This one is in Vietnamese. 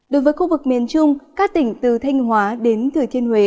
đối với khu vực miền trung các tỉnh từ thanh hóa đến thừa thiên huế